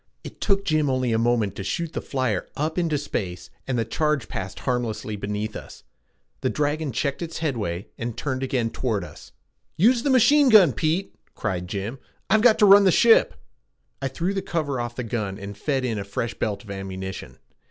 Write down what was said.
It took Jim only a moment to shoot the flyer up into space, and the charge passed harmlessly beneath us. The dragon checked its headway and turned again toward us. "Use the machine gun, Pete!" cried Jim. "I've got to run the ship." I threw the cover off the gun and fed in a fresh belt of ammunition.